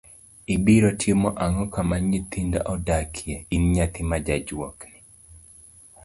Ibiro timo ang'o kama nyithinda odake, in naythi ma jajuok ni?